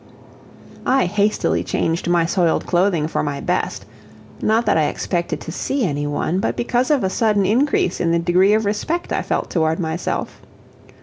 I hastily changed my soiled clothing for my best not that I expected to see any one, but because of a sudden increase in the degree of respect I felt toward myself.